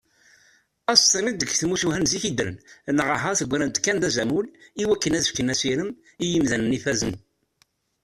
Ad s-tiniḍ deg tmucuha n zik i ddren neɣ ahat ggran-d kan d azamul iwakken ad ffken asirem i yimdanen ifazen.